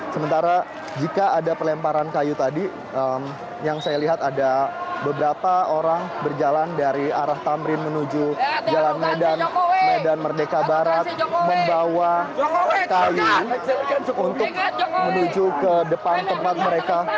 sementara jika ada pelemparan kayu tadi yang saya lihat ada beberapa orang berjalan dari arah tamrin menuju jalan medan medan merdeka barat membawa kayu untuk menuju ke depan tempat mereka